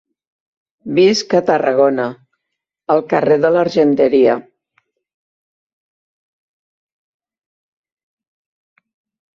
Visc a Tarragona, al carrer de Argenteria.